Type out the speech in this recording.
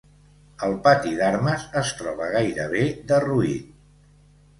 El pati d'armes es troba gairebé derruït.